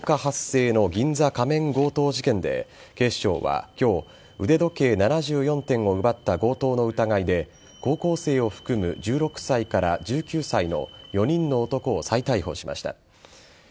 今月８日発生の銀座仮面強盗事件で警視庁は今日腕時計７４点を奪った強盗の疑いで高校生を含む１６歳から１９歳の４人の男を再逮捕しました。